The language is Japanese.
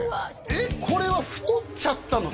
えっこれは太っちゃったの？